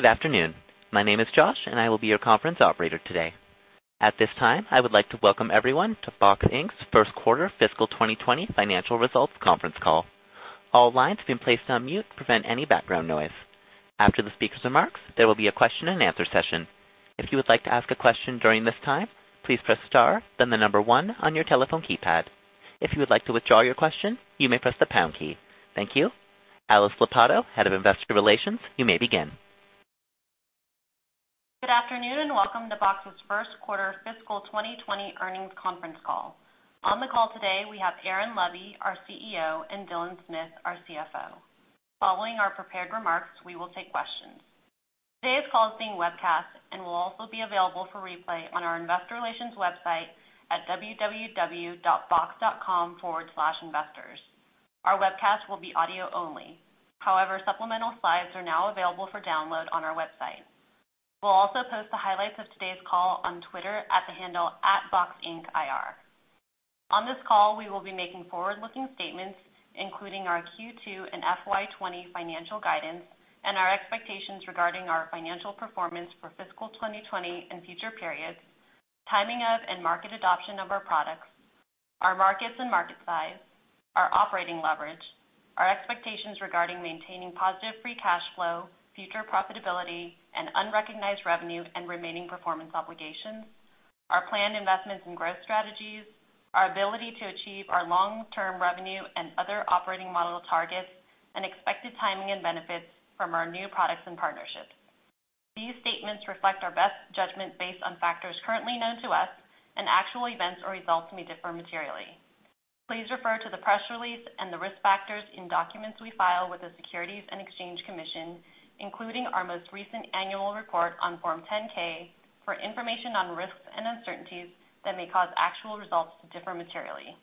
Good afternoon. My name is Josh, and I will be your conference operator today. At this time, I would like to welcome everyone to Box, Inc.'s first quarter fiscal 2020 financial results conference call. All lines have been placed on mute to prevent any background noise. After the speaker's remarks, there will be a question-and-answer session. If you would like to ask a question during this time, please press star, then the number one on your telephone keypad. If you would like to withdraw your question, you may press the pound key. Thank you. Alice Lopatto, Head of Investor Relations, you may begin. Good afternoon and welcome to Box's first quarter fiscal 2020 earnings conference call. On the call today, we have Aaron Levie, our CEO, and Dylan Smith, our CFO. Following our prepared remarks, we will take questions. Today's call is being webcast and will also be available for replay on our investor relations website at www.box.com/investors. Our webcast will be audio only. However, supplemental slides are now available for download on our website. We'll also post the highlights of today's call on Twitter at the handle @boxincIR. On this call, we will be making forward-looking statements, including our Q2 and FY 2020 financial guidance and our expectations regarding our financial performance for fiscal 2020 and future periods, timing of and market adoption of our products, our markets and market size, our operating leverage, our expectations regarding maintaining positive free cash flow, future profitability, and unrecognized revenue and remaining performance obligations, our planned investments and growth strategies, our ability to achieve our long-term revenue and other operating model targets, and expected timing and benefits from our new products and partnerships. These statements reflect our best judgment based on factors currently known to us, and actual events or results may differ materially. Please refer to the press release and the risk factors in documents we file with the Securities and Exchange Commission, including our most recent annual report on Form 10-K, for information on risks and uncertainties that may cause actual results to differ materially.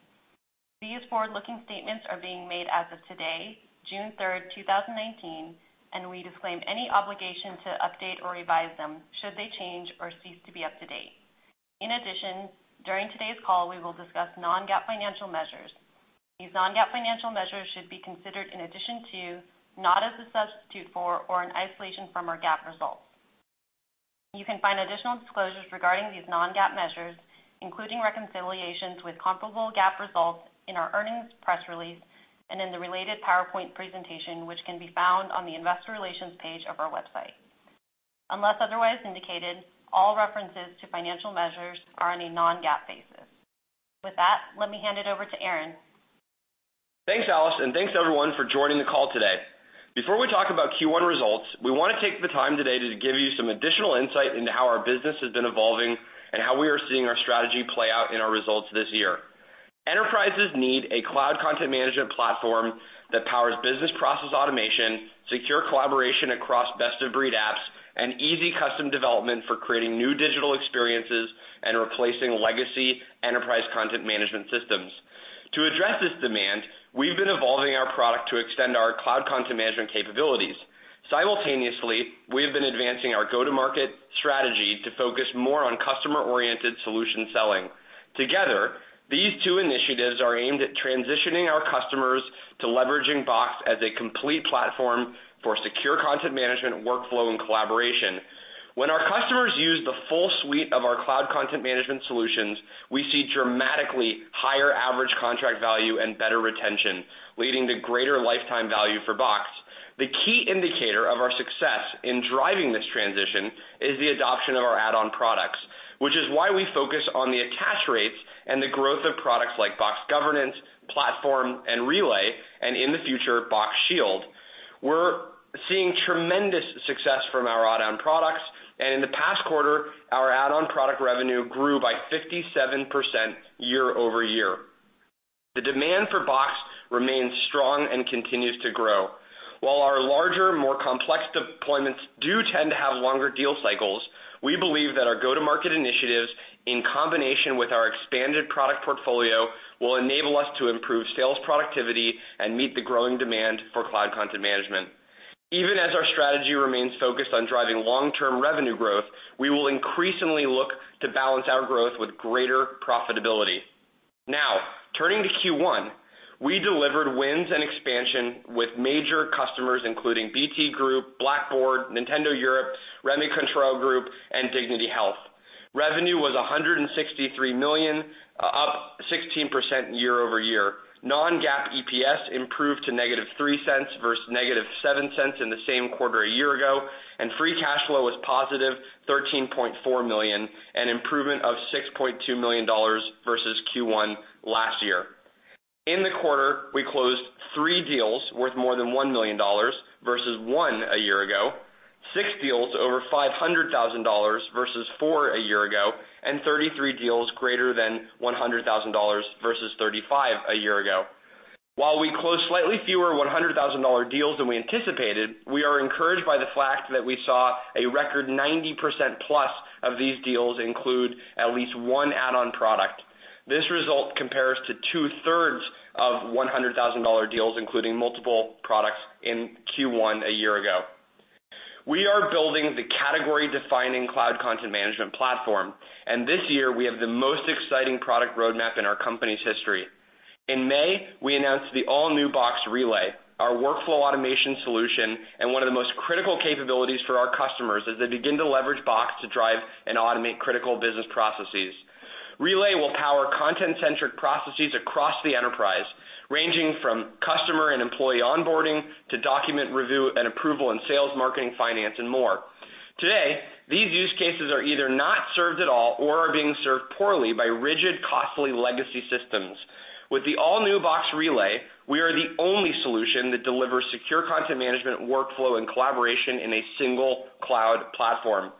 These forward-looking statements are being made as of today, June 3, 2019, and we disclaim any obligation to update or revise them should they change or cease to be up to date. In addition, during today's call, we will discuss non-GAAP financial measures. These non-GAAP financial measures should be considered in addition to, not as a substitute for or an isolation from, our GAAP results. You can find additional disclosures regarding these non-GAAP measures, including reconciliations with comparable GAAP results in our earnings press release and in the related PowerPoint presentation, which can be found on the investor relations page of our website. Unless otherwise indicated, all references to financial measures are on a non-GAAP basis. With that, let me hand it over to Aaron. Thanks, Alice, and thanks, everyone, for joining the call today. Before we talk about Q1 results, we want to take the time today to give you some additional insight into how our business has been evolving and how we are seeing our strategy play out in our results this year. Enterprises need a cloud content management platform that powers business process automation, secure collaboration across best-of-breed apps, and easy custom development for creating new digital experiences and replacing legacy enterprise content management systems. To address this demand, we've been evolving our product to extend our cloud content management capabilities. Simultaneously, we have been advancing our go-to-market strategy to focus more on customer-oriented solution selling. Together, these two initiatives are aimed at transitioning our customers to leveraging Box as a complete platform for secure content management, workflow, and collaboration. When our customers use the full suite of our cloud content management solutions, we see dramatically higher average contract value and better retention, leading to greater lifetime value for Box. The key indicator of our success in driving this transition is the adoption of our add-on products, which is why we focus on the attach rates and the growth of products like Box Governance, Box Platform, and Box Relay, and in the future, Box Shield. We're seeing tremendous success from our add-on products, and in the past quarter, our add-on product revenue grew by 57% year-over-year. The demand for Box remains strong and continues to grow. While our larger, more complex deployments do tend to have longer deal cycles, we believe that our go-to-market initiatives, in combination with our expanded product portfolio, will enable us to improve sales productivity and meet the growing demand for cloud content management. Even as our strategy remains focused on driving long-term revenue growth, we will increasingly look to balance our growth with greater profitability. Turning to Q1, we delivered wins and expansion with major customers, including BT Group, Blackboard, Nintendo of Europe, Rémy Cointreau Group, and Dignity Health. Revenue was $163 million, up 16% year-over-year. Non-GAAP EPS improved to -$0.03 versus -$0.07 in the same quarter a year ago, and free cash flow was positive $13.4 million, an improvement of $6.2 million versus Q1 last year. In the quarter, we closed three deals worth more than $1 million versus one a year ago, six deals over $500,000 versus four a year ago, and 33 deals greater than $100,000 versus 35 a year ago. While we closed slightly fewer $100,000 deals than we anticipated, we are encouraged by the fact that we saw a record 90% plus of these deals include at least one add-on product. This result compares to two-thirds of $100,000 deals including multiple products in Q1 a year ago. We are building the category-defining cloud content management platform, this year, we have the most exciting product roadmap in our company's history. In May, we announced the all-new Box Relay, our workflow automation solution, and one of the most critical capabilities for our customers as they begin to leverage Box to drive and automate critical business processes. Box Relay will power content-centric processes across the enterprise, ranging from customer and employee onboarding to document review and approval in sales, marketing, finance, and more. Today, these use cases are either not served at all or are being served poorly by rigid, costly legacy systems. With the all-new Box Relay, we are the only solution that delivers secure content management, workflow, and collaboration in a single cloud platform.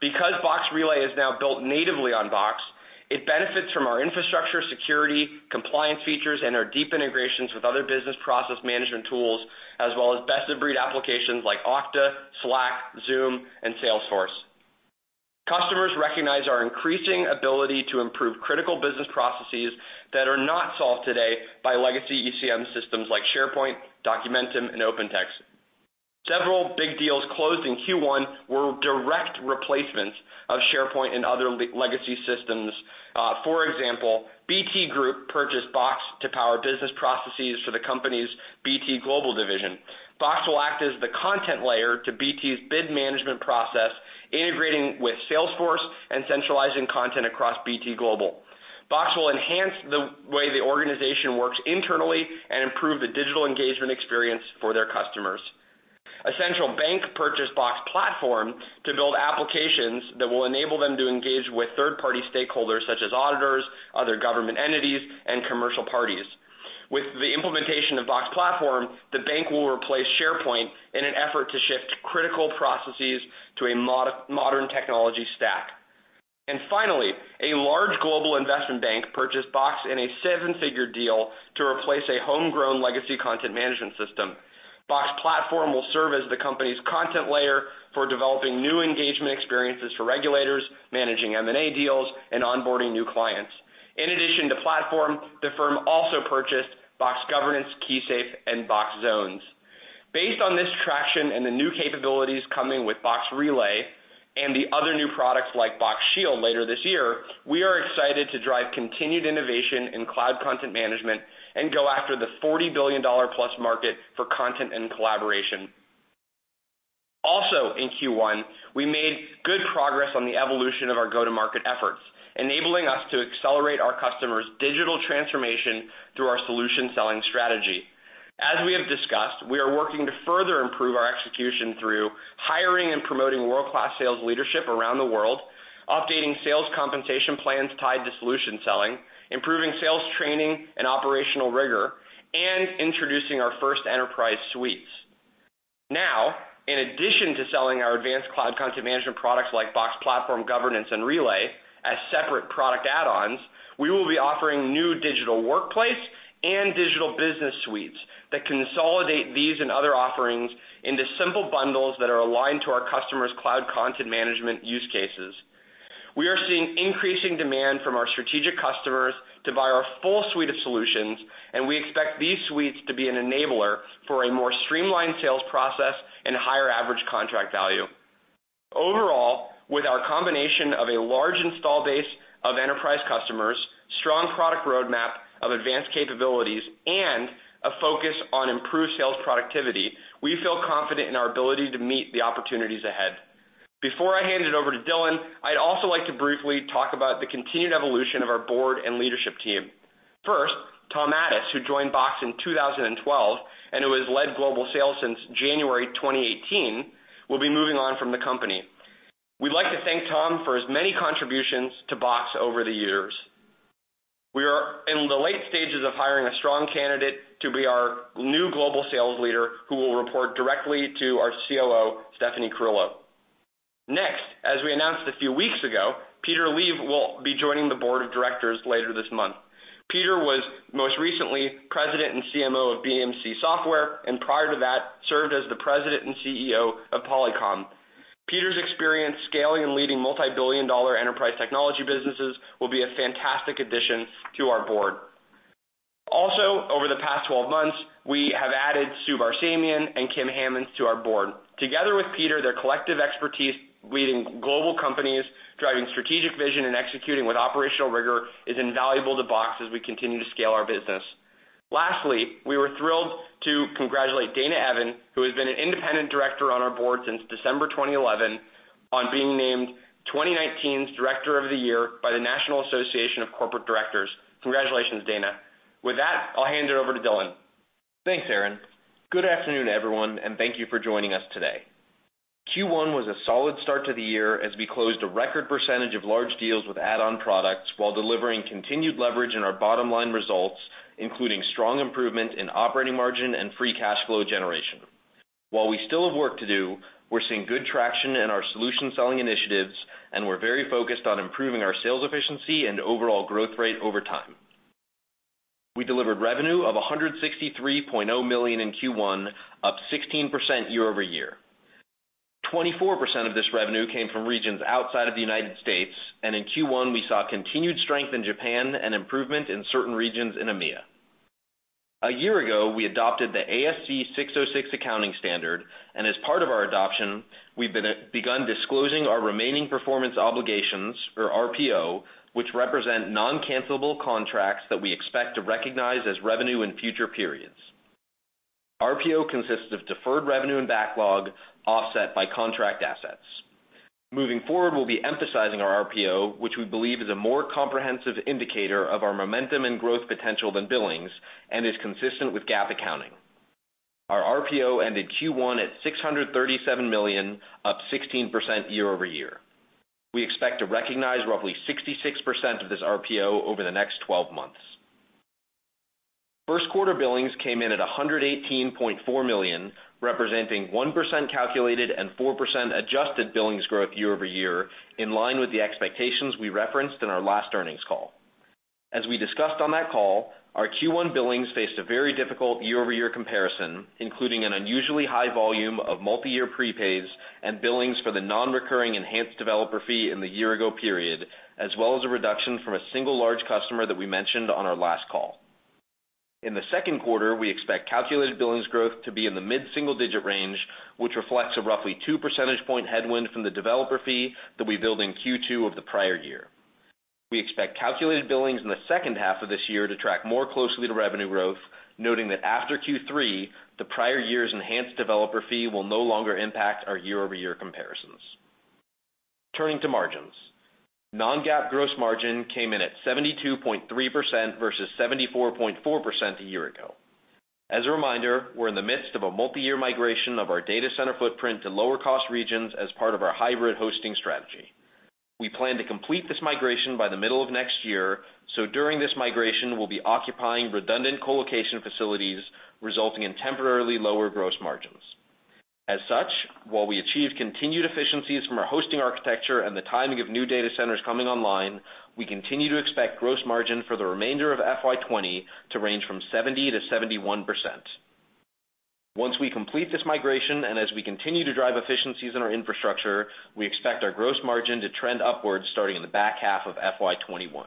Because Box Relay is now built natively on Box, it benefits from our infrastructure security, compliance features, and our deep integrations with other business process management tools, as well as best-of-breed applications like Okta, Slack, Zoom, and Salesforce. Customers recognize our increasing ability to improve critical business processes that are not solved today by legacy ECM systems like SharePoint, Documentum, and OpenText. Several big deals closed in Q1 were direct replacements of SharePoint and other legacy systems. For example, BT Group purchased Box to power business processes for the company's BT Global division. Box will act as the content layer to BT's bid management process, integrating with Salesforce and centralizing content across BT Global. Box will enhance the way the organization works internally and improve the digital engagement experience for their customers. A central bank purchased Box Platform to build applications that will enable them to engage with third-party stakeholders such as auditors, other government entities, and commercial parties. With the implementation of Box Platform, the bank will replace SharePoint in an effort to shift critical processes to a modern technology stack. Finally, a large global investment bank purchased Box in a seven-figure deal to replace a homegrown legacy content management system. Box Platform will serve as the company's content layer for developing new engagement experiences for regulators, managing M&A deals, and onboarding new clients. In addition to Platform, the firm also purchased Box Governance, Box KeySafe, and Box Zones. Based on this traction and the new capabilities coming with Box Relay and the other new products like Box Shield later this year, we are excited to drive continued innovation in cloud content management and go after the $40 billion-plus market for content and collaboration. In Q1, we made good progress on the evolution of our go-to-market efforts, enabling us to accelerate our customers' digital transformation through our solution selling strategy. As we have discussed, we are working to further improve our execution through hiring and promoting world-class sales leadership around the world, updating sales compensation plans tied to solution selling, improving sales training and operational rigor, and introducing our first enterprise suites. In addition to selling our advanced cloud content management products like Box Platform, Box Governance, and Box Relay as separate product add-ons, we will be offering new digital workplace and digital business suites that consolidate these and other offerings into simple bundles that are aligned to our customers' cloud content management use cases. We are seeing increasing demand from our strategic customers to buy our full suite of solutions, and we expect these suites to be an enabler for a more streamlined sales process and higher average contract value. Overall, with our combination of a large install base of enterprise customers, strong product roadmap of advanced capabilities, and a focus on improved sales productivity, we feel confident in our ability to meet the opportunities ahead. Before I hand it over to Dylan, I'd also like to briefly talk about the continued evolution of our board and leadership team. Tom Addis, who joined Box in 2012 and who has led global sales since January 2018, will be moving on from the company. We'd like to thank Tom for his many contributions to Box over the years. We are in the late stages of hiring a strong candidate to be our new global sales leader, who will report directly to our COO, Stephanie Carullo. As we announced a few weeks ago, Peter Leav will be joining the board of directors later this month. Peter was most recently President and CMO of BMC Software, and prior to that, served as the President and CEO of Polycom. Peter's experience scaling and leading multibillion-dollar enterprise technology businesses will be a fantastic addition to our board. Over the past 12 months, we have added Sue Barsamian and Kim Hammonds to our board. Together with Peter, their collective expertise leading global companies, driving strategic vision, and executing with operational rigor is invaluable to Box as we continue to scale our business. We were thrilled to congratulate Dana Evan, who has been an independent director on our board since December 2011, on being named 2019's Director of the Year by the National Association of Corporate Directors. Congratulations, Dana. I'll hand it over to Dylan. Thanks, Aaron. Good afternoon, everyone, and thank you for joining us today. Q1 was a solid start to the year as we closed a record percentage of large deals with add-on products while delivering continued leverage in our bottom-line results, including strong improvement in operating margin and free cash flow generation. While we still have work to do, we're seeing good traction in our solution selling initiatives, and we're very focused on improving our sales efficiency and overall growth rate over time. We delivered revenue of $163.0 million in Q1, up 16% year-over-year. 24% of this revenue came from regions outside of the U.S. In Q1, we saw continued strength in Japan and improvement in certain regions. A year ago, we adopted the ASC 606 accounting standard, and as part of our adoption, we've begun disclosing our remaining performance obligations, or RPO, which represent non-cancelable contracts that we expect to recognize as revenue in future periods. RPO consists of deferred revenue and backlog offset by contract assets. Moving forward, we'll be emphasizing our RPO, which we believe is a more comprehensive indicator of our momentum and growth potential than billings, and is consistent with GAAP accounting. Our RPO ended Q1 at $637 million, up 16% year-over-year. We expect to recognize roughly 66% of this RPO over the next 12 months. First quarter billings came in at $118.4 million, representing 1% calculated and 4% adjusted billings growth year-over-year, in line with the expectations we referenced in our last earnings call. As we discussed on that call, our Q1 billings faced a very difficult year-over-year comparison, including an unusually high volume of multi-year prepays and billings for the non-recurring enhanced developer fee in the year-ago period, as well as a reduction from a single large customer that we mentioned on our last call. In the second quarter, we expect calculated billings growth to be in the mid-single-digit range, which reflects a roughly two percentage point headwind from the developer fee that we billed in Q2 of the prior year. We expect calculated billings in the second half of this year to track more closely to revenue growth, noting that after Q3, the prior year's enhanced developer fee will no longer impact our year-over-year comparisons. Turning to margins. Non-GAAP gross margin came in at 72.3% versus 74.4% a year ago. As a reminder, we're in the midst of a multi-year migration of our data center footprint to lower-cost regions as part of our hybrid hosting strategy. We plan to complete this migration by the middle of next year. During this migration, we'll be occupying redundant co-location facilities, resulting in temporarily lower gross margins. As such, while we achieve continued efficiencies from our hosting architecture and the timing of new data centers coming online, we continue to expect gross margin for the remainder of FY 2020 to range from 70%-71%. Once we complete this migration, as we continue to drive efficiencies in our infrastructure, we expect our gross margin to trend upwards starting in the back half of FY 2021.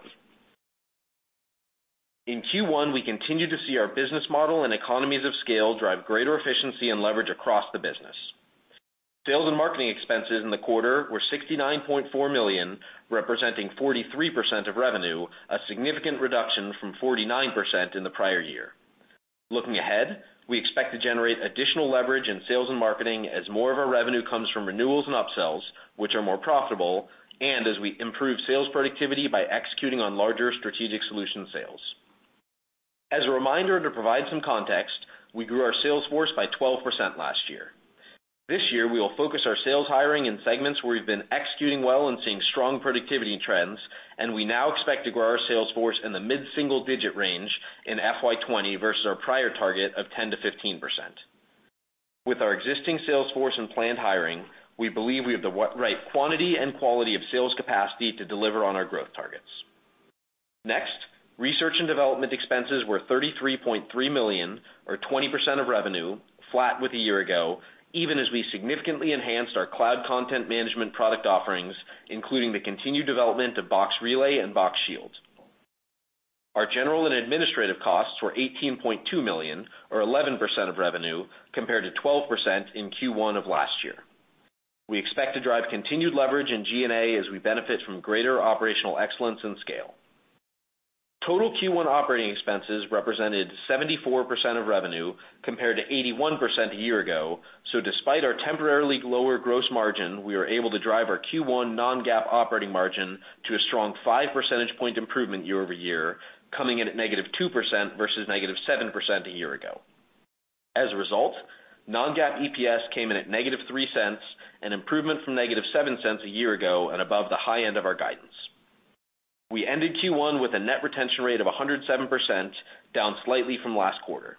In Q1, we continued to see our business model and economies of scale drive greater efficiency and leverage across the business. Sales and marketing expenses in the quarter were $69.4 million, representing 43% of revenue, a significant reduction from 49% in the prior year. Looking ahead, we expect to generate additional leverage in sales and marketing as more of our revenue comes from renewals and upsells, which are more profitable, and as we improve sales productivity by executing on larger strategic solution sales. As a reminder to provide some context, we grew our sales force by 12% last year. This year, we will focus our sales hiring in segments where we've been executing well and seeing strong productivity trends, and we now expect to grow our sales force in the mid-single-digit range in FY 2020 versus our prior target of 10%-15%. With our existing sales force and planned hiring, we believe we have the right quantity and quality of sales capacity to deliver on our growth targets. Next, research and development expenses were $33.3 million, or 20% of revenue, flat with a year ago, even as we significantly enhanced our cloud content management product offerings, including the continued development of Box Relay and Box Shield. Our general and administrative costs were $18.2 million, or 11% of revenue, compared to 12% in Q1 of last year. We expect to drive continued leverage in G&A as we benefit from greater operational excellence and scale. Total Q1 operating expenses represented 74% of revenue, compared to 81% a year ago. Despite our temporarily lower gross margin, we were able to drive our Q1 non-GAAP operating margin to a strong five-percentage point improvement year-over-year, coming in at -2% versus -7% a year ago. As a result, non-GAAP EPS came in at -$0.03, an improvement from -$0.07 a year ago and above the high end of our guidance. We ended Q1 with a net retention rate of 107%, down slightly from last quarter.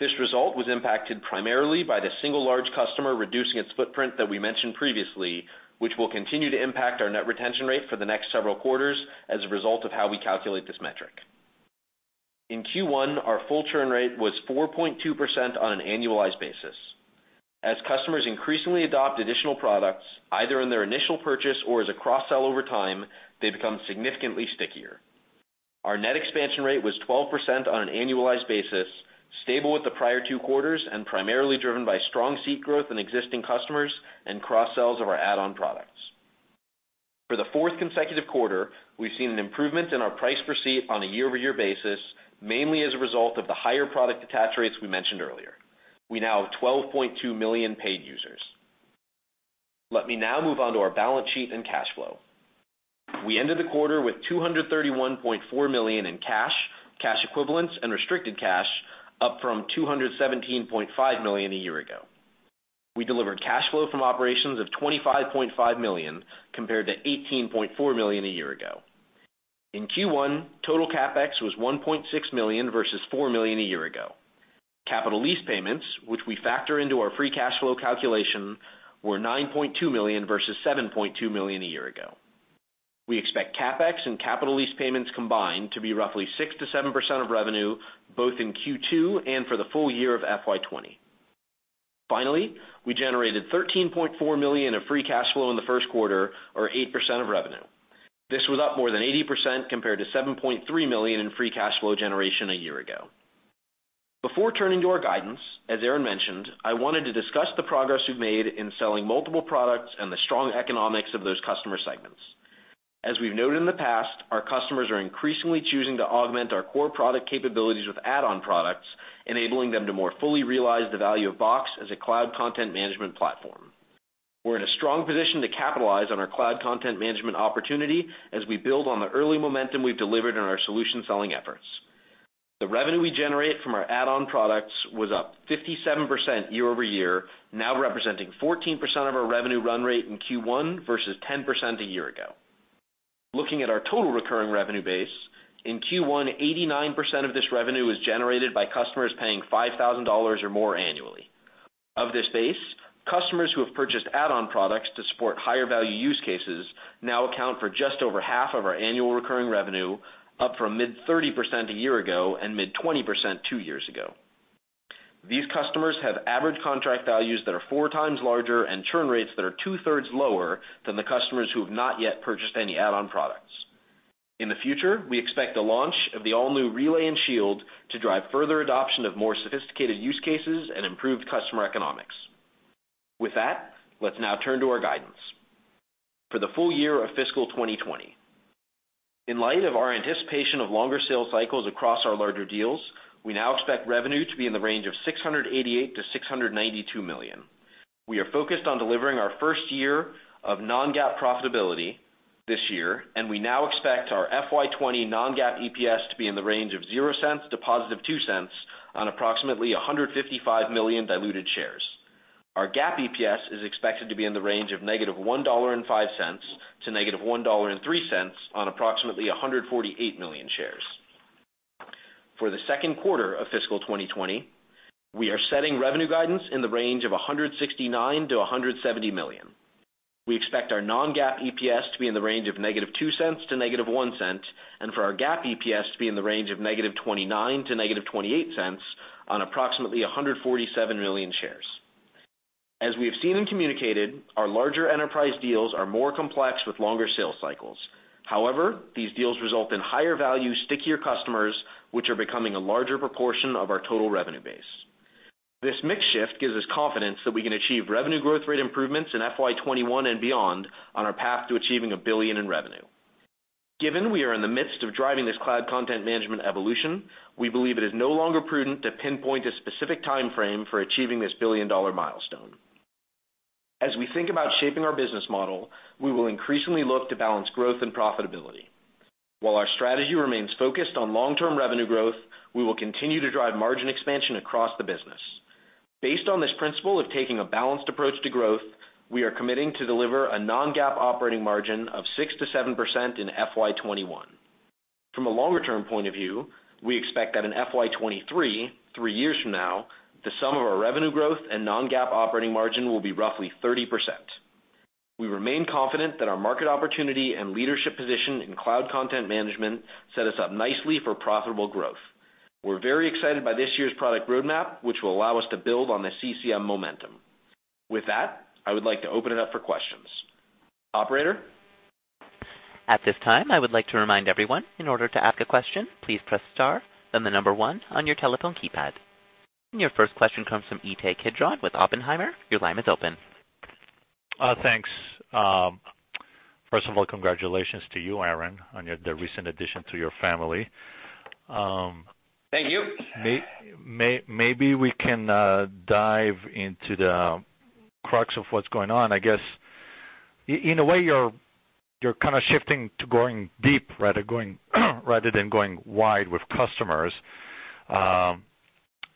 This result was impacted primarily by the single large customer reducing its footprint that we mentioned previously, which will continue to impact our net retention rate for the next several quarters as a result of how we calculate this metric. In Q1, our full churn rate was 4.2% on an annualized basis. As customers increasingly adopt additional products, either in their initial purchase or as a cross-sell over time, they become significantly stickier. Our net expansion rate was 12% on an annualized basis, stable with the prior two quarters, and primarily driven by strong seat growth in existing customers and cross-sells of our add-on products. For the fourth consecutive quarter, we've seen an improvement in our price per seat on a year-over-year basis, mainly as a result of the higher product attach rates we mentioned earlier. We now have 12.2 million paid users. Let me now move on to our balance sheet and cash flow. We ended the quarter with $231.4 million in cash equivalents and restricted cash, up from $217.5 million a year ago. We delivered cash flow from operations of $25.5 million, compared to $18.4 million a year ago. In Q1, total CapEx was $1.6 million versus $4 million a year ago. Capital lease payments, which we factor into our free cash flow calculation, were $9.2 million versus $7.2 million a year ago. We expect CapEx and capital lease payments combined to be roughly 6%-7% of revenue both in Q2 and for the full year of FY 2020. We generated $13.4 million of free cash flow in the first quarter, or 8% of revenue. This was up more than 80%, compared to $7.3 million in free cash flow generation a year ago. Before turning to our guidance, as Aaron mentioned, I wanted to discuss the progress we've made in selling multiple products and the strong economics of those customer segments. As we've noted in the past, our customers are increasingly choosing to augment our core product capabilities with add-on products, enabling them to more fully realize the value of Box as a cloud content management platform. We're in a strong position to capitalize on our cloud content management opportunity as we build on the early momentum we've delivered in our solution selling efforts. The revenue we generate from our add-on products was up 57% year-over-year, now representing 14% of our revenue run rate in Q1, versus 10% a year ago. Looking at our total recurring revenue base, in Q1, 89% of this revenue was generated by customers paying $5,000 or more annually. Of this base, customers who have purchased add-on products to support higher value use cases now account for just over half of our annual recurring revenue, up from mid-30% a year ago and mid-20% two years ago. These customers have average contract values that are four times larger and churn rates that are two-thirds lower than the customers who have not yet purchased any add-on products. In the future, we expect the launch of the all-new Box Relay and Box Shield to drive further adoption of more sophisticated use cases and improved customer economics. With that, let's now turn to our guidance. For the full year of fiscal 2020, in light of our anticipation of longer sales cycles across our larger deals, we now expect revenue to be in the range of $688 million-$692 million. We are focused on delivering our first year of non-GAAP profitability this year, and we now expect our FY 2020 non-GAAP EPS to be in the range of $0.00 to positive $0.02 on approximately 155 million diluted shares. Our GAAP EPS is expected to be in the range of negative $1.05 to negative $1.03 on approximately 148 million shares. For the second quarter of fiscal 2020, we are setting revenue guidance in the range of $169 million-$170 million. We expect our non-GAAP EPS to be in the range of negative $0.02 to negative $0.01, and for our GAAP EPS to be in the range of negative $0.29 to negative $0.28 on approximately 147 million shares. As we have seen and communicated, our larger enterprise deals are more complex with longer sales cycles. These deals result in higher value, stickier customers, which are becoming a larger proportion of our total revenue base. This mix shift gives us confidence that we can achieve revenue growth rate improvements in FY 2021 and beyond on our path to achieving $1 billion in revenue. Given we are in the midst of driving this cloud content management evolution, we believe it is no longer prudent to pinpoint a specific timeframe for achieving this $1 billion-dollar milestone. As we think about shaping our business model, we will increasingly look to balance growth and profitability. While our strategy remains focused on long-term revenue growth, we will continue to drive margin expansion across the business. Based on this principle of taking a balanced approach to growth, we are committing to deliver a non-GAAP operating margin of 6%-7% in FY 2021. From a longer-term point of view, we expect that in FY23, three years from now, the sum of our revenue growth and non-GAAP operating margin will be roughly 30%. We remain confident that our market opportunity and leadership position in cloud content management set us up nicely for profitable growth. We're very excited by this year's product roadmap, which will allow us to build on the CCM momentum. With that, I would like to open it up for questions. Operator? At this time, I would like to remind everyone, in order to ask a question, please press star, then the number 1 on your telephone keypad. Your first question comes from Ittai Kidron with Oppenheimer. Your line is open. Thanks. First of all, congratulations to you, Aaron, on the recent addition to your family. Thank you. Maybe we can dive into the crux of what's going on. I guess, in a way, you're kind of shifting to going deep, rather than going wide with customers.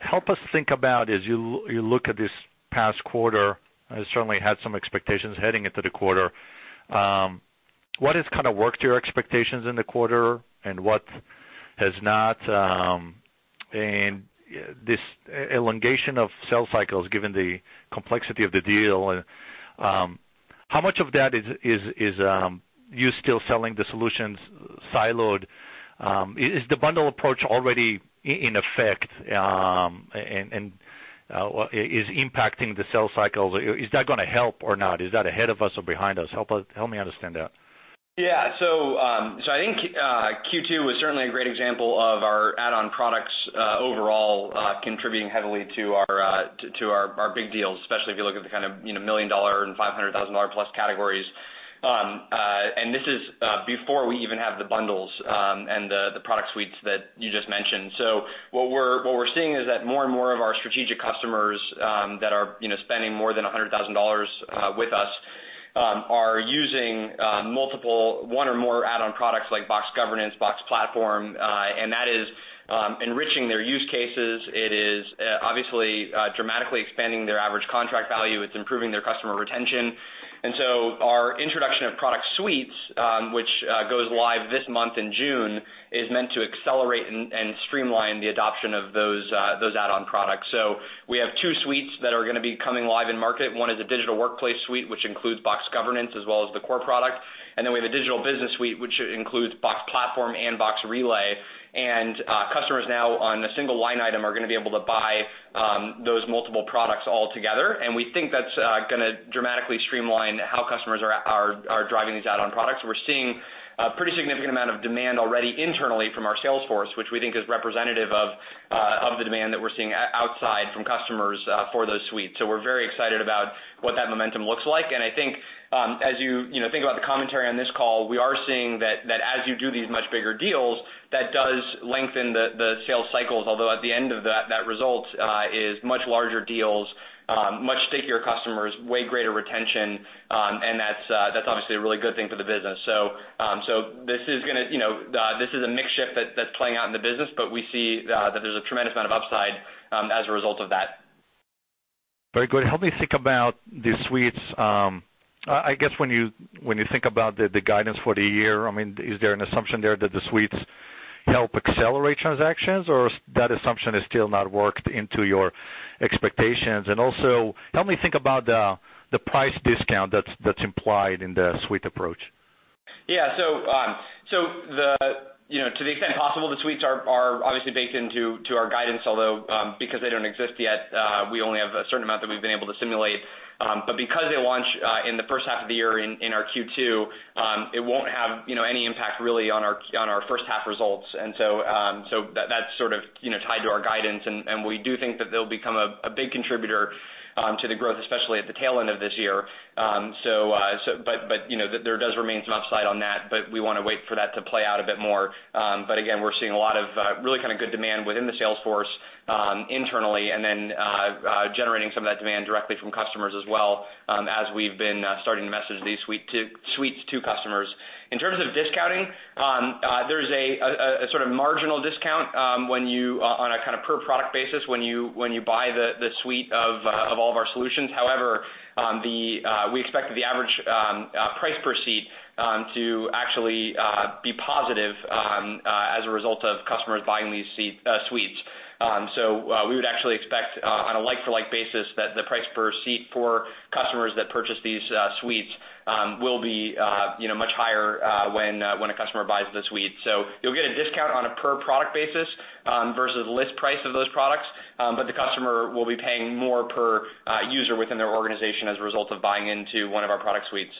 Help us think about, as you look at this past quarter, and certainly had some expectations heading into the quarter, what has kind of worked to your expectations in the quarter and what has not? This elongation of sales cycles, given the complexity of the deal, how much of that is you still selling the solutions siloed? Is the bundle approach already in effect, and is impacting the sales cycle? Is that going to help or not? Is that ahead of us or behind us? Help me understand that. I think Q2 was certainly a great example of our add-on products overall contributing heavily to our big deals, especially if you look at the kind of $1 million and $500,000-plus categories. This is before we even have the bundles and the product suites that you just mentioned. What we're seeing is that more and more of our strategic customers that are spending more than $100,000 with us are using one or more add-on products like Box Governance, Box Platform, and that is enriching their use cases. It is obviously dramatically expanding their average contract value. It's improving their customer retention. Our introduction of product suites, which goes live this month in June, is meant to accelerate and streamline the adoption of those add-on products. We have 2 suites that are going to be coming live in market. 1 is a digital workplace suite, which includes Box Governance as well as the core product. Then we have a digital business suite, which includes Box Platform and Box Relay. Customers now on a single line item are going to be able to buy those multiple products all together, and we think that's going to dramatically streamline how customers are driving these add-on products. We're seeing a pretty significant amount of demand already internally from our sales force, which we think is representative of the demand that we're seeing outside from customers for those suites. We're very excited about what that momentum looks like. I think, as you think about the commentary on this call, we are seeing that as you do these much bigger deals, that does lengthen the sales cycles. Although at the end of that result is much larger deals, much stickier customers, way greater retention, and that's obviously a really good thing for the business. This is a mix shift that's playing out in the business, but we see that there's a tremendous amount of upside, as a result of that. Very good. Help me think about the suites. I guess when you think about the guidance for the year, is there an assumption there that the suites help accelerate transactions, or that assumption is still not worked into your expectations? Also, help me think about the price discount that's implied in the suite approach. Yeah. To the extent possible, the suites are obviously baked into our guidance, although, because they don't exist yet, we only have a certain amount that we've been able to simulate. Because they launch in the first half of the year, in our Q2, it won't have any impact really on our first half results. That's sort of tied to our guidance, and we do think that they'll become a big contributor to the growth, especially at the tail end of this year. There does remain some upside on that, but we want to wait for that to play out a bit more. Again, we're seeing a lot of really good demand within the sales force, internally and then generating some of that demand directly from customers as well, as we've been starting to message these suites to customers. In terms of discounting, there's a sort of marginal discount on a per-product basis when you buy the suite of all of our solutions. However, we expect that the average price per seat to actually be positive, as a result of customers buying these suites. We would actually expect, on a like-for-like basis, that the price per seat for customers that purchase these suites will be much higher, when a customer buys the suite. You'll get a discount on a per-product basis, versus list price of those products. The customer will be paying more per user within their organization as a result of buying into one of our product suites.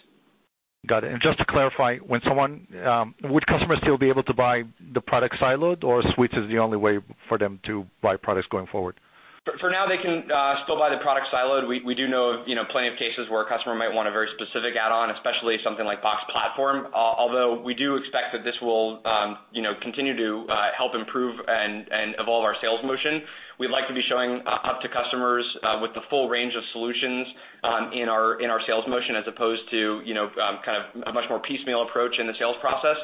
Got it. Just to clarify, would customers still be able to buy the product siloed, or suites is the only way for them to buy products going forward? For now, they can still buy the product siloed. We do know plenty of cases where a customer might want a very specific add-on, especially something like Box Platform. We do expect that this will continue to help improve and evolve our sales motion. We'd like to be showing up to customers, with the full range of solutions, in our sales motion, as opposed to a much more piecemeal approach in the sales process.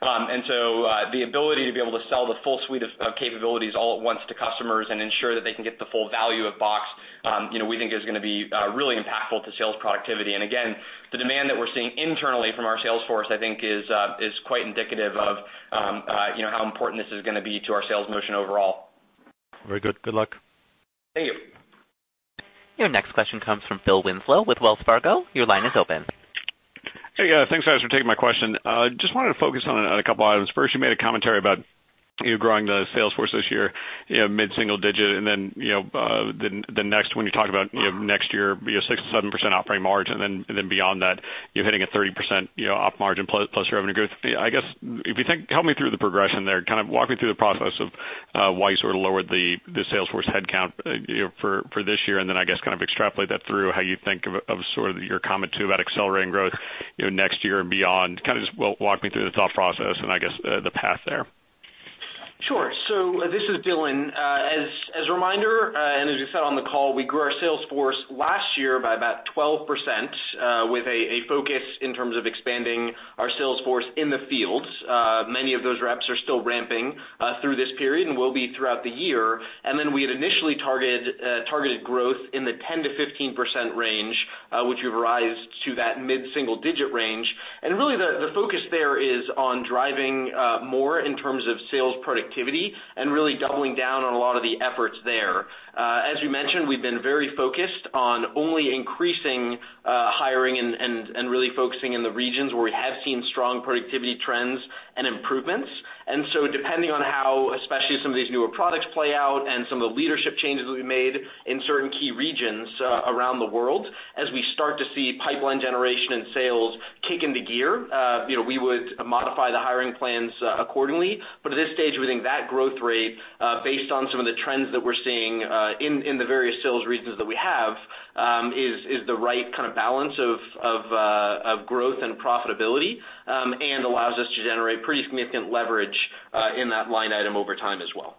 The ability to be able to sell the full suite of capabilities all at once to customers and ensure that they can get the full value of Box, we think is going to be really impactful to sales productivity. Again, the demand that we're seeing internally from our sales force, I think is quite indicative of how important this is going to be to our sales motion overall. Very good. Good luck. Thank you. Your next question comes from Phil Winslow with Wells Fargo. Your line is open. Hey. Yeah. Thanks, guys, for taking my question. Just wanted to focus on a couple items. First, you made a commentary about you growing the sales force this year, mid-single digit. Then, the next one you talk about next year, 6%-7% operating margin. Then beyond that, you're hitting a 30% op margin plus revenue growth. I guess, help me through the progression there. Walk me through the process of why you sort of lowered the sales force headcount for this year, then I guess extrapolate that through how you think of sort of your comment too about accelerating growth next year and beyond. Just walk me through the thought process and I guess the path there. Sure. This is Dylan. As a reminder, and as we said on the call, we grew our sales force last year by about 12%, with a focus in terms of expanding our sales force in the field. Many of those reps are still ramping through this period and will be throughout the year. Then we had initially targeted growth in the 10%-15% range, which we've revised to that mid-single digit range. Really the focus there is on driving more in terms of sales productivity and really doubling down on a lot of the efforts there. As we mentioned, we've been very focused on only increasing hiring and really focusing in the regions where we have seen strong productivity trends and improvements. Depending on how, especially some of these newer products play out and some of the leadership changes that we made in certain key regions around the world, as we start to see pipeline generation and sales kick into gear, we would modify the hiring plans accordingly. At this stage, we think that growth rate, based on some of the trends that we're seeing in the various sales regions that we have, is the right kind of balance of growth and profitability, and allows us to generate pretty significant leverage in that line item over time as well.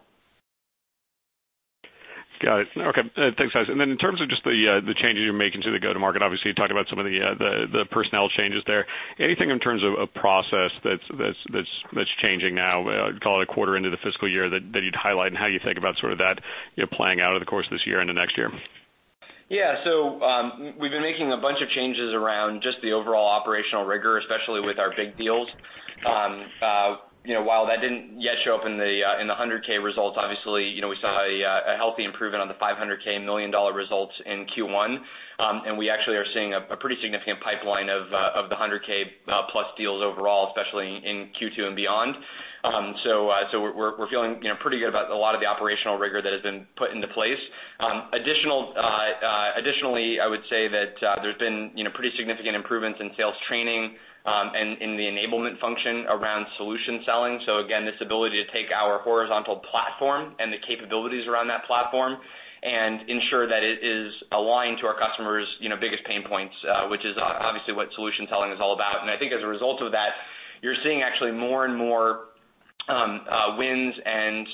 Got it. Okay. Thanks, guys. In terms of just the changes you're making to the go-to-market, obviously you talked about some of the personnel changes there. Anything in terms of process that's changing now, call it a quarter into the fiscal year that you'd highlight and how you think about sort of that playing out over the course of this year into next year? Yeah. We've been making a bunch of changes around just the overall operational rigor, especially with our big deals. While that didn't yet show up in the 100K results, obviously 500K million-dollar results in Q1. We actually are seeing a pretty significant pipeline of the 100K-plus deals overall, especially in Q2 and beyond. We're feeling pretty good about a lot of the operational rigor that has been put into place. Additionally, I would say that there's been pretty significant improvements in sales training, and in the enablement function around solution selling. Again, this ability to take our horizontal platform and the capabilities around that platform and ensure that it is aligned to our customers' biggest pain points, which is obviously what solution selling is all about. I think as a result of that, you're seeing actually more and more wins and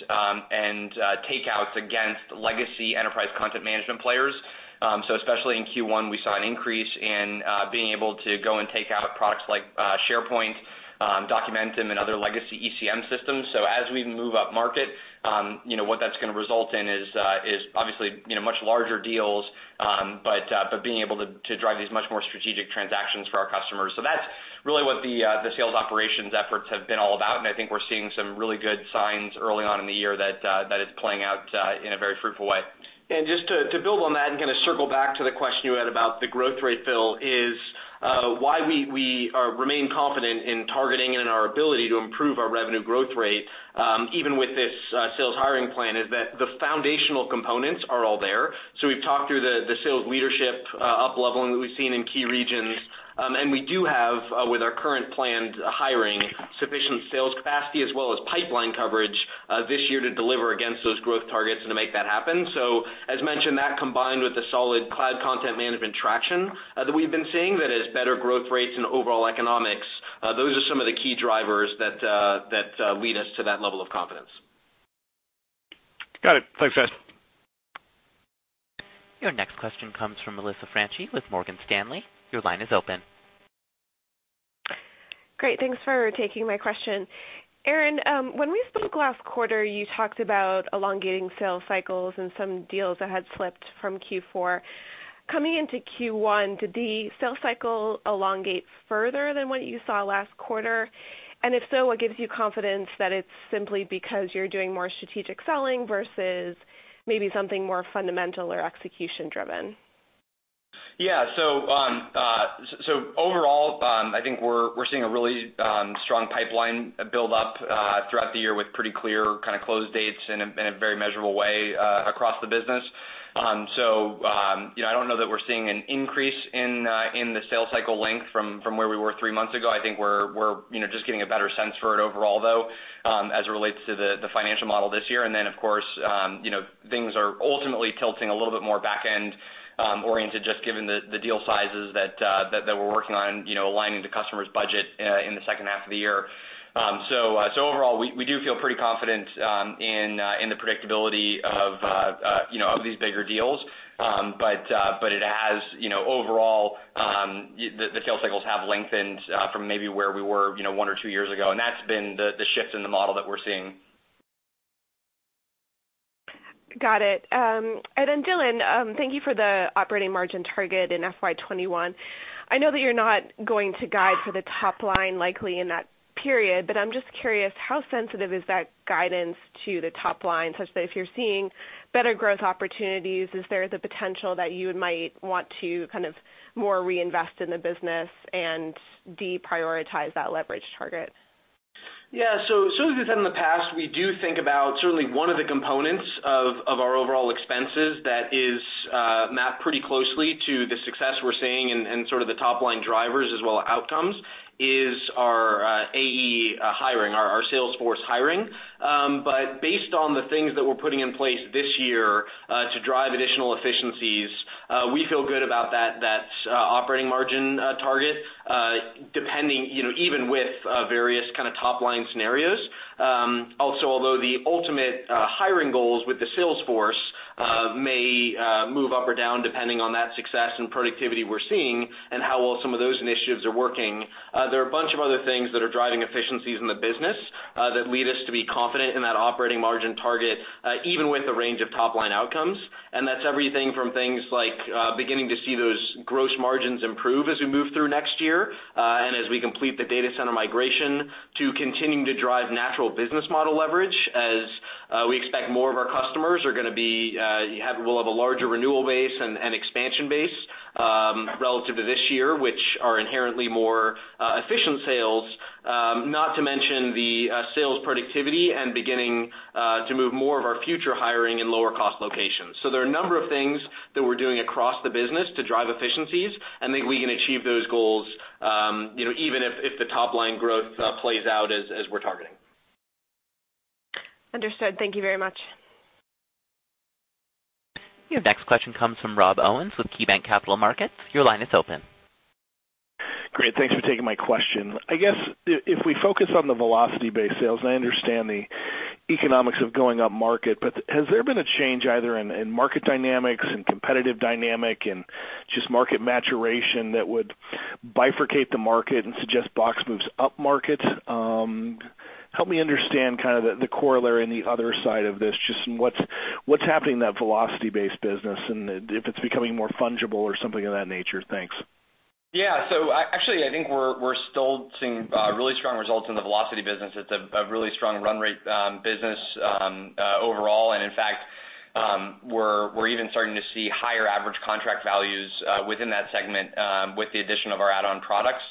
takeouts against legacy enterprise content management players. Especially in Q1, we saw an increase in being able to go and take out products like SharePoint, Documentum, and other legacy ECM systems. As we move up market, what that's going to result in is obviously much larger deals, but being able to drive these much more strategic transactions for our customers. That's really what the sales operations efforts have been all about, and I think we're seeing some really good signs early on in the year that it's playing out in a very fruitful way. Just to build on that and circle back to the question you had about the growth rate, Phil, is why we remain confident in targeting and in our ability to improve our revenue growth rate, even with this sales hiring plan, is that the foundational components are all there. We've talked through the sales leadership up-leveling that we've seen in key regions. We do have, with our current planned hiring, sufficient sales capacity as well as pipeline coverage this year to deliver against those growth targets and to make that happen. As mentioned, that combined with the solid cloud content management traction that we've been seeing, that is better growth rates and overall economics. Those are some of the key drivers that lead us to that level of confidence. Got it. Thanks, guys. Your next question comes from Melissa Franchi with Morgan Stanley. Your line is open. Great. Thanks for taking my question. Aaron, when we spoke last quarter, you talked about elongating sales cycles and some deals that had slipped from Q4. Coming into Q1, did the sales cycle elongate further than what you saw last quarter? If so, what gives you confidence that it's simply because you're doing more strategic selling versus maybe something more fundamental or execution-driven? Yeah. Overall, I think we're seeing a really strong pipeline build up throughout the year with pretty clear close dates in a very measurable way across the business. I don't know that we're seeing an increase in the sales cycle length from where we were three months ago. I think we're just getting a better sense for it overall, though, as it relates to the financial model this year. Of course, things are ultimately tilting a little bit more back-end oriented, just given the deal sizes that we're working on aligning to customers' budget in the second half of the year. Overall, we do feel pretty confident in the predictability of these bigger deals. It has, overall, the sales cycles have lengthened, from maybe where we were one or two years ago, and that's been the shift in the model that we're seeing. Got it. Dylan, thank you for the operating margin target in FY 2021. I know that you're not going to guide for the top line likely in that period, but I'm just curious, how sensitive is that guidance to the top line, such that if you're seeing better growth opportunities, is there the potential that you might want to more reinvest in the business and deprioritize that leverage target? As we've said in the past, we do think about certainly one of the components of our overall expenses that is mapped pretty closely to the success we're seeing and sort of the top-line drivers as well as outcomes, is our AE hiring, our sales force hiring. Based on the things that we're putting in place this year to drive additional efficiencies, we feel good about that operating margin target, even with various top-line scenarios. Although the ultimate hiring goals with the sales force may move up or down depending on that success and productivity we're seeing, and how well some of those initiatives are working. There are a bunch of other things that are driving efficiencies in the business that lead us to be confident in that operating margin target, even with a range of top-line outcomes. That's everything from things like beginning to see those gross margins improve as we move through next year, and as we complete the data center migration to continuing to drive natural business model leverage as we expect more of our customers will have a larger renewal base and expansion base relative to this year, which are inherently more efficient sales, not to mention the sales productivity and beginning to move more of our future hiring in lower-cost locations. There are a number of things that we're doing across the business to drive efficiencies, and think we can achieve those goals even if the top-line growth plays out as we're targeting. Understood. Thank you very much. Your next question comes from Rob Owens with KeyBanc Capital Markets. Your line is open. Great. Thanks for taking my question. I guess if we focus on the velocity-based sales, I understand the economics of going upmarket, has there been a change either in market dynamics, in competitive dynamic, in just market maturation that would bifurcate the market and suggest Box moves upmarket? Help me understand the corollary and the other side of this, just in what's happening in that velocity-based business, and if it's becoming more fungible or something of that nature. Thanks. Yeah. Actually, I think we're still seeing really strong results in the velocity business. It's a really strong run rate business overall. In fact, we're even starting to see higher average contract values within that segment with the addition of our add-on products.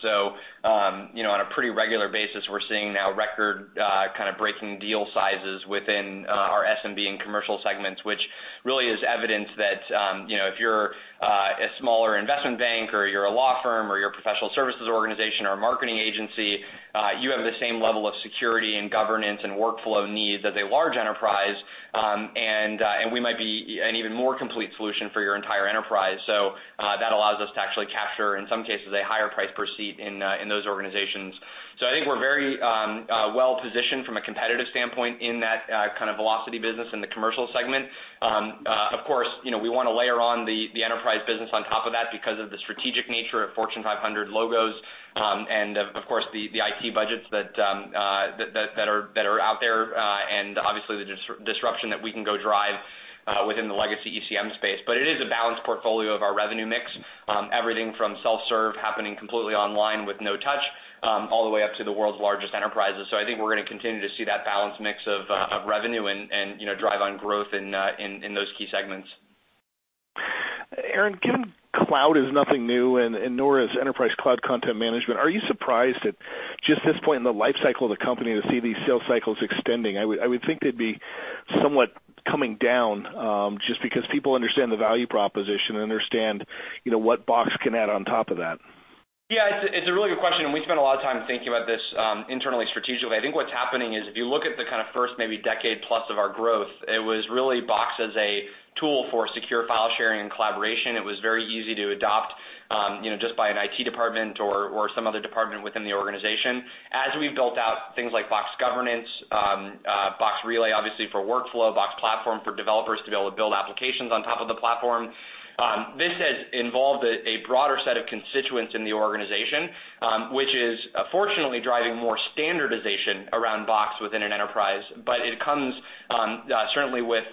On a pretty regular basis, we're seeing now record-breaking deal sizes within our SMB and commercial segments, which really is evidence that if you're a smaller investment bank or you're a law firm or you're a professional services organization or a marketing agency, you have the same level of security and governance and workflow needs as a large enterprise, and we might be an even more complete solution for your entire enterprise. That allows us to actually capture, in some cases, a higher price per seat in those organizations. I think we're very well-positioned from a competitive standpoint in that velocity business in the commercial segment. Of course, we want to layer on the enterprise business on top of that because of the strategic nature of Fortune 500 logos and, of course, the IT budgets that are out there, and obviously, the disruption that we can go drive within the legacy ECM space. It is a balanced portfolio of our revenue mix. Everything from self-serve happening completely online with no touch, all the way up to the world's largest enterprises. I think we're going to continue to see that balanced mix of revenue and drive on growth in those key segments. Aaron, given cloud is nothing new, and nor is enterprise cloud content management, are you surprised at just this point in the life cycle of the company to see these sales cycles extending? I would think they'd be somewhat coming down, just because people understand the value proposition and understand what Box can add on top of that. Yeah. It's a really good question, and we spend a lot of time thinking about this internally, strategically. I think what's happening is if you look at the first maybe decade-plus of our growth, it was really Box as a tool for secure file sharing and collaboration. It was very easy to adopt just by an IT department or some other department within the organization. As we've built out things like Box Governance, Box Relay, obviously for workflow, Box Platform for developers to be able to build applications on top of the platform. This has involved a broader set of constituents in the organization, which is fortunately driving more standardization around Box within an enterprise. It comes certainly with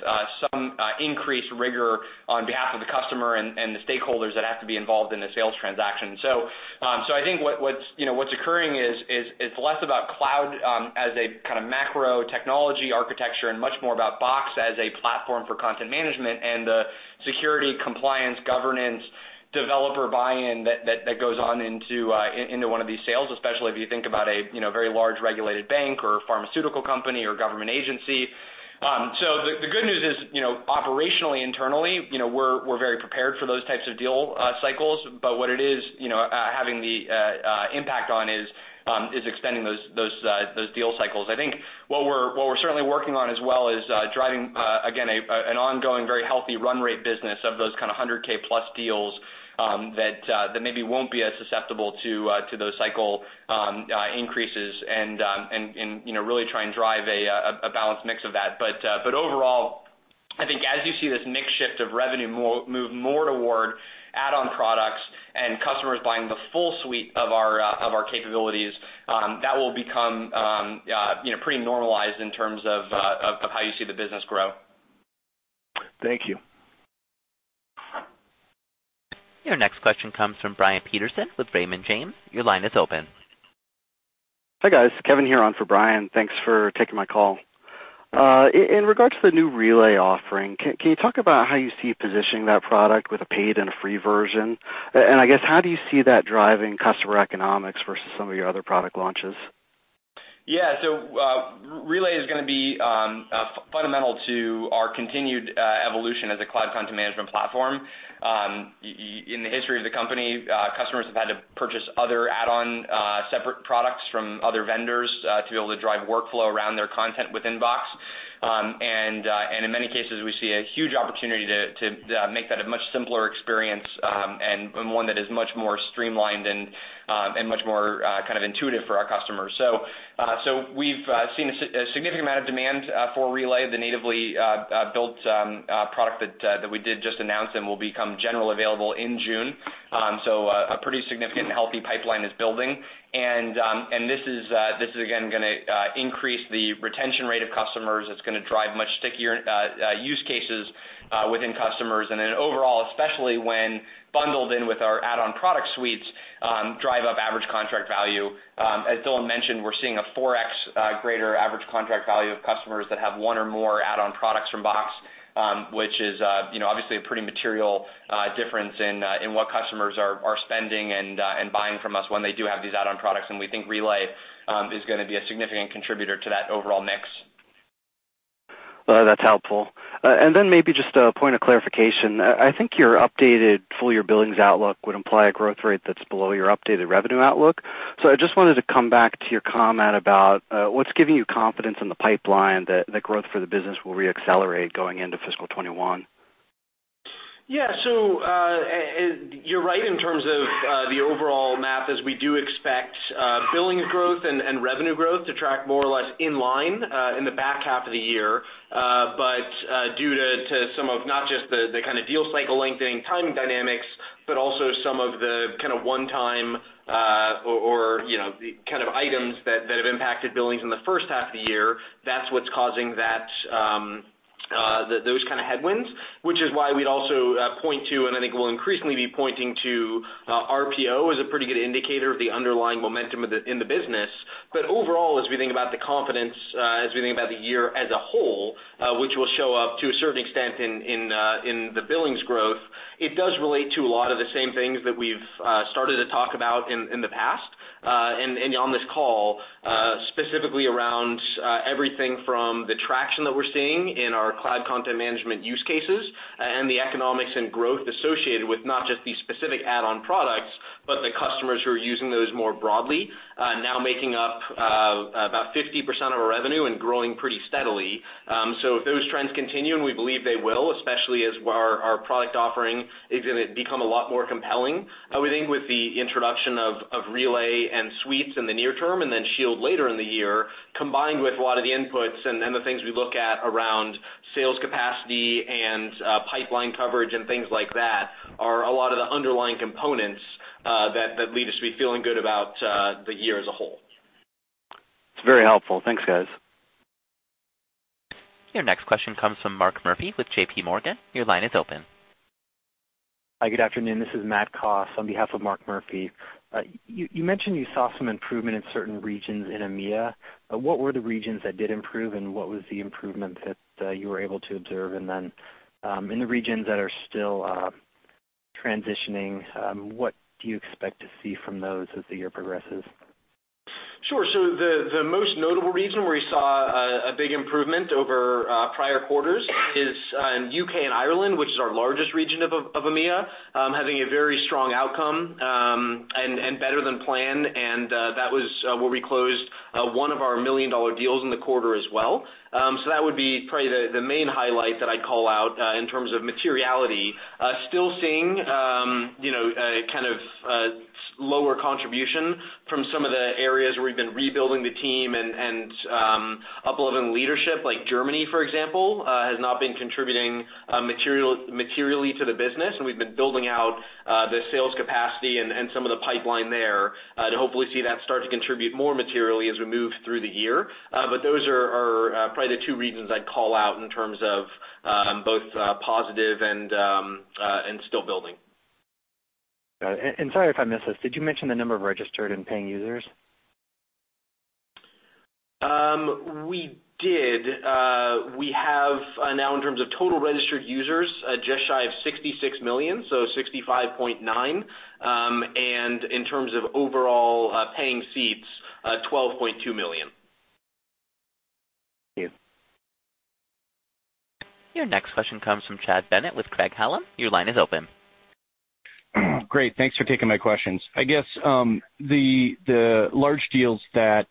some increased rigor on behalf of the customer and the stakeholders that have to be involved in a sales transaction. I think what's occurring is it's less about cloud as a kind of macro technology architecture and much more about Box as a platform for content management and the security, compliance, governance, developer buy-in that goes on into one of these sales, especially if you think about a very large, regulated bank or pharmaceutical company or government agency. The good news is, operationally, internally, we're very prepared for those types of deal cycles. What it is having the impact on is extending those deal cycles. I think what we're certainly working on as well is driving, again, an ongoing, very healthy run rate business of those kind of 100K-plus deals that maybe won't be as susceptible to those cycle increases, and really try and drive a balanced mix of that. Overall, I think as you see this mix shift of revenue move more toward add-on products and customers buying the full suite of our capabilities, that will become pretty normalized in terms of how you see the business grow. Thank you. Your next question comes from Brian Peterson with Raymond James. Your line is open. Hi, guys. Kevin here on for Brian. Thanks for taking my call. In regards to the new Relay offering, can you talk about how you see positioning that product with a paid and a free version? I guess, how do you see that driving customer economics versus some of your other product launches? Yeah. Relay is going to be fundamental to our continued evolution as a cloud content management platform. In the history of the company, customers have had to purchase other add-on separate products from other vendors to be able to drive workflow around their content within Box. In many cases, we see a huge opportunity to make that a much simpler experience and one that is much more streamlined and much more intuitive for our customers. We've seen a significant amount of demand for Relay, the natively built product that we did just announce and will become generally available in June. A pretty significant healthy pipeline is building. This is, again, going to increase the retention rate of customers. It's going to drive much stickier use cases within customers, and then overall, especially when bundled in with our add-on product suites, drive up average contract value. As Dylan mentioned, we're seeing a 4X greater average contract value of customers that have one or more add-on products from Box, which is obviously a pretty material difference in what customers are spending and buying from us when they do have these add-on products. We think Relay is going to be a significant contributor to that overall mix. Well, that's helpful. Maybe just a point of clarification. I think your updated full-year billings outlook would imply a growth rate that's below your updated revenue outlook. I just wanted to come back to your comment about what's giving you confidence in the pipeline that growth for the business will re-accelerate going into FY 2021. Yeah. You're right in terms of the overall math, as we do expect billings growth and revenue growth to track more or less in line in the back half of the year. Due to some of not just the deal cycle lengthening timing dynamics, but also some of the kind of one-time kind of items that have impacted billings in the first half of the year, that's what's causing those kind of headwinds. Which is why we'd also point to, I think we'll increasingly be pointing to RPO as a pretty good indicator of the underlying momentum in the business. Overall, as we think about the confidence, as we think about the year as a whole, which will show up to a certain extent in the billings growth, it does relate to a lot of the same things that we've started to talk about in the past, and on this call, specifically around everything from the traction that we're seeing in our cloud content management use cases and the economics and growth associated with not just the specific add-on products, but the customers who are using those more broadly, now making up about 50% of our revenue and growing pretty steadily. If those trends continue, and we believe they will, especially as our product offering is going to become a lot more compelling, we think with the introduction of Relay and Suites in the near term, and then Shield later in the year, combined with a lot of the inputs and the things we look at around sales capacity and pipeline coverage and things like that, are a lot of the underlying components that lead us to be feeling good about the year as a whole. It's very helpful. Thanks, guys. Your next question comes from Mark Murphy with JPMorgan. Your line is open. Hi, good afternoon. This is Matthew Coss on behalf of Mark Murphy. You mentioned you saw some improvement in certain regions in EMEA. What were the regions that did improve, and what was the improvement that you were able to observe? In the regions that are still transitioning, what do you expect to see from those as the year progresses? Sure. The most notable region where we saw a big improvement over prior quarters is in U.K. and Ireland, which is our largest region of EMEA, having a very strong outcome, and better than planned. That was where we closed one of our million-dollar deals in the quarter as well. That would be probably the main highlight that I'd call out in terms of materiality. Still seeing lower contribution from some of the areas where we've been rebuilding the team and uploading leadership like Germany, for example, has not been contributing materially to the business. We've been building out the sales capacity and some of the pipeline there to hopefully see that start to contribute more materially as we move through the year. Those are probably the two regions I'd call out in terms of both positive and still building. Got it. Sorry if I missed this, did you mention the number of registered and paying users? We did. We have, now in terms of total registered users, just shy of 66 million, so 65.9. In terms of overall paying seats, 12.2 million. Thank you. Your next question comes from Chad Bennett with Craig-Hallum. Your line is open. Great. Thanks for taking my questions. I guess, the large deals that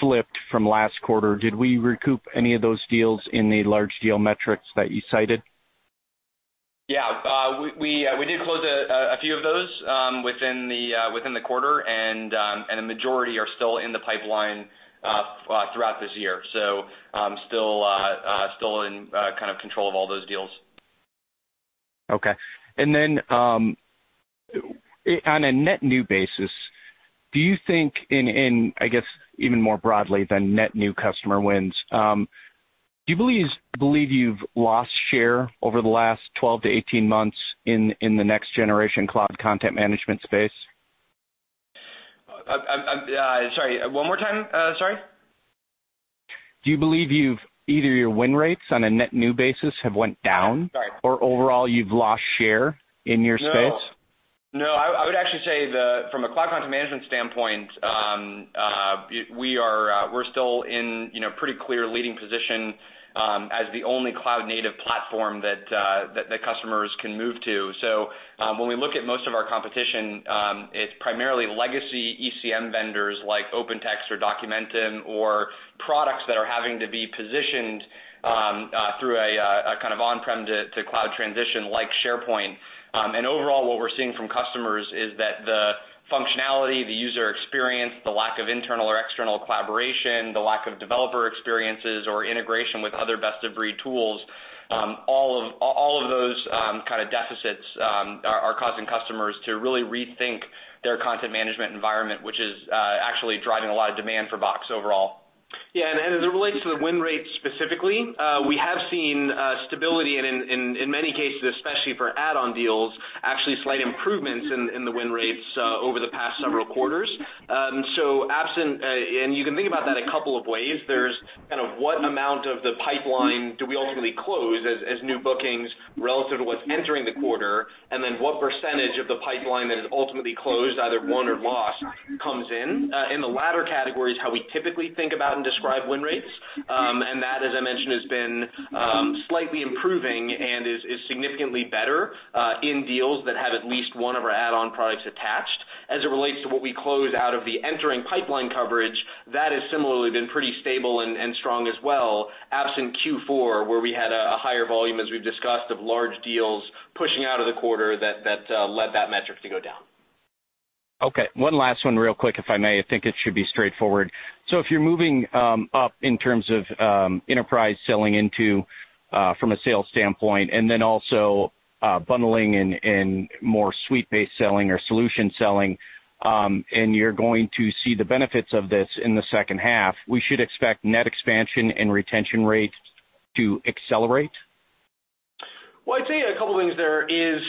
slipped from last quarter, did we recoup any of those deals in the large deal metrics that you cited? Yeah. We did close a few of those within the quarter, a majority are still in the pipeline throughout this year. Still in kind of control of all those deals. Okay. Then, on a net new basis, do you think in, I guess, even more broadly than net new customer wins, do you believe you've lost share over the last 12 to 18 months in the next generation cloud content management space? I'm sorry, one more time? Sorry. Do you believe either your win rates on a net new basis have went down- Sorry Overall you've lost share in your space? No. I would actually say that from a cloud content management standpoint, we're still in a pretty clear leading position as the only cloud-native platform that customers can move to. When we look at most of our competition, it's primarily legacy ECM vendors like OpenText or Documentum, or products that are having to be positioned through a kind of on-prem to cloud transition like SharePoint. Overall, what we're seeing from customers is that the functionality, the user experience, the lack of internal or external collaboration, the lack of developer experiences or integration with other best-of-breed tools, all of those kind of deficits are causing customers to really rethink their content management environment, which is actually driving a lot of demand for Box overall. As it relates to the win rates specifically, we have seen stability and in many cases, especially for add-on deals, actually slight improvements in the win rates over the past several quarters. You can think about that a couple of ways. There's kind of what amount of the pipeline do we ultimately close as new bookings relative to what's entering the quarter, and then what percentage of the pipeline that is ultimately closed, either won or lost, comes in? In the latter category is how we typically think about and describe win rates. That, as I mentioned, has been slightly improving and is significantly better in deals that have at least one of our add-on products attached. As it relates to what we close out of the entering pipeline coverage, that has similarly been pretty stable and strong as well, absent Q4, where we had a higher volume, as we've discussed, of large deals pushing out of the quarter that led that metric to go down. Okay. One last one real quick, if I may. I think it should be straightforward. If you're moving up in terms of enterprise selling into from a sales standpoint, and then also bundling and more suite-based selling or solution selling, and you're going to see the benefits of this in the second half. We should expect net expansion and retention rates to accelerate? Well, I'd say a couple of things there is,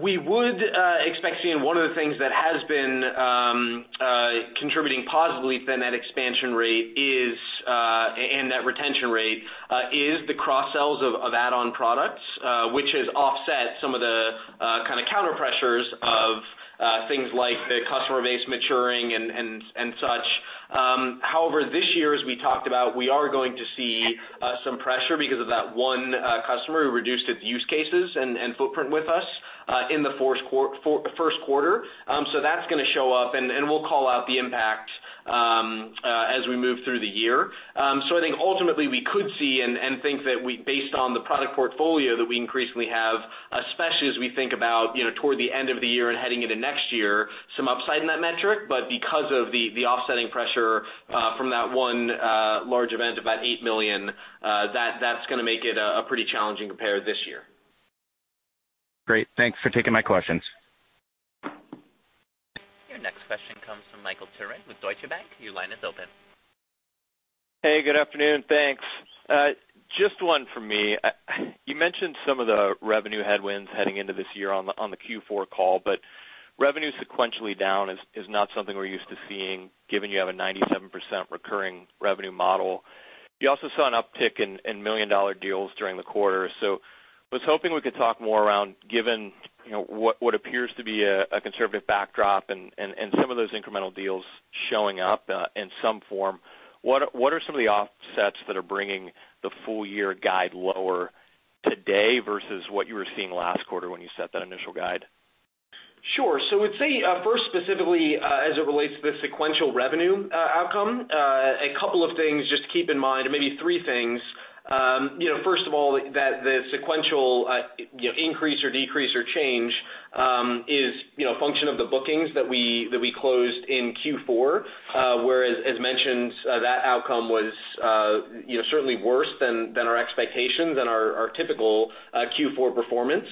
we would expect to see and one of the things that has been contributing positively to net expansion rate and net retention rate is the cross-sells of add-on products, which has offset some of the counter pressures of things like the customer base maturing and such. However, this year, as we talked about, we are going to see some pressure because of that one customer who reduced its use cases and footprint with us in the first quarter. That's going to show up, and we'll call out the impact as we move through the year. I think ultimately we could see and think that based on the product portfolio that we increasingly have, especially as we think about toward the end of the year and heading into next year, some upside in that metric. Because of the offsetting pressure from that one large event, about $8 million, that's going to make it a pretty challenging compare this year. Great. Thanks for taking my questions. Your next question comes from Michael Turrin with Deutsche Bank. Your line is open. Hey, good afternoon. Thanks. Just one for me. You mentioned some of the revenue headwinds heading into this year on the Q4 call, but revenue sequentially down is not something we're used to seeing, given you have a 97% recurring revenue model. You also saw an uptick in million-dollar deals during the quarter. I was hoping we could talk more around, given what appears to be a conservative backdrop and some of those incremental deals showing up in some form, what are some of the offsets that are bringing the full-year guide lower today versus what you were seeing last quarter when you set that initial guide? Sure. I would say first, specifically, as it relates to the sequential revenue outcome, a couple of things just to keep in mind, or maybe three things. First of all, that the sequential increase or decrease or change is a function of the bookings that we closed in Q4, where as mentioned, that outcome was certainly worse than our expectations and our typical Q4 performance.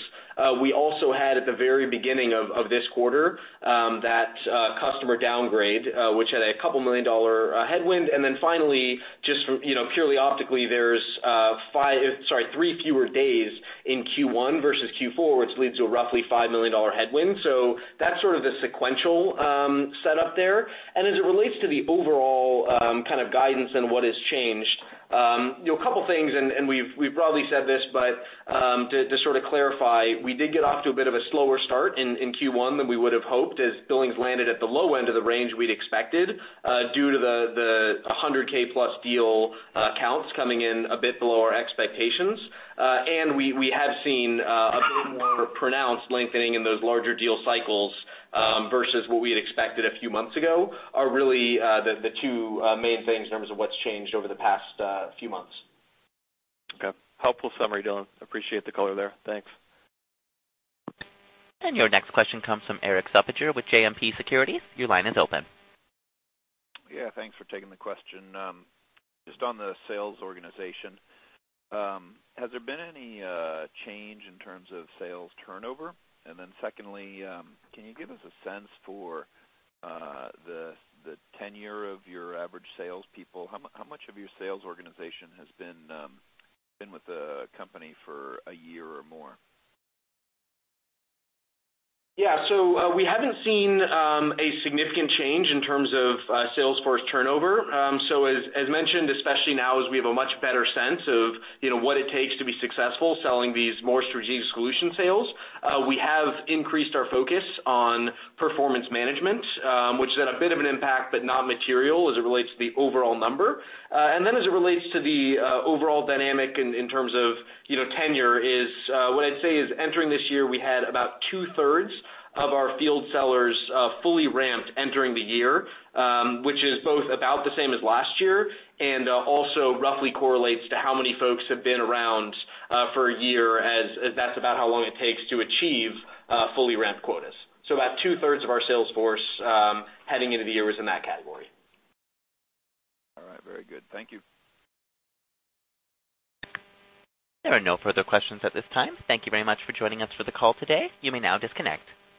We also had, at the very beginning of this quarter, that customer downgrade, which had a couple million-dollar headwind. Finally, just purely optically, there's three fewer days in Q1 versus Q4, which leads to a roughly $5 million headwind. That's sort of the sequential set up there. As it relates to the overall kind of guidance and what has changed. A couple things, we've probably said this, but to sort of clarify, we did get off to a bit of a slower start in Q1 than we would have hoped as billings landed at the low end of the range we'd expected due to the 100K-plus deal counts coming in a bit below our expectations. We have seen a bit more pronounced lengthening in those larger deal cycles versus what we had expected a few months ago, are really the two main things in terms of what's changed over the past few months. Okay. Helpful summary, Dylan. Appreciate the color there. Thanks. Your next question comes from Patrick Walravens with JMP Securities. Your line is open. Yeah, thanks for taking the question. Just on the sales organization, has there been any change in terms of sales force turnover? Secondly, can you give us a sense for the tenure of your average salespeople? How much of your sales organization has been with the company for a year or more? Yeah. We haven't seen a significant change in terms of sales force turnover. As mentioned, especially now as we have a much better sense of what it takes to be successful selling these more strategic solution sales, we have increased our focus on performance management, which has had a bit of an impact, but not material as it relates to the overall number. As it relates to the overall dynamic and in terms of tenure is, what I'd say is entering this year, we had about two-thirds of our field sellers fully ramped entering the year, which is both about the same as last year, and also roughly correlates to how many folks have been around for a year, as that's about how long it takes to achieve fully ramped quotas. About two-thirds of our sales force heading into the year is in that category. All right. Very good. Thank you. There are no further questions at this time. Thank you very much for joining us for the call today. You may now disconnect.